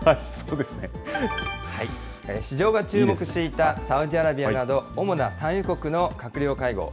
市場が注目していた、サウジアラビアなど、主な産油国の閣僚会合。